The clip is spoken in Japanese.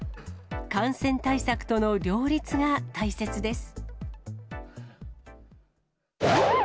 感染対策との両立が大切です。